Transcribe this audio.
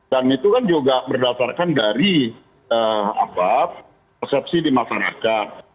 dan itu kan juga berdasarkan dari persepsi di masyarakat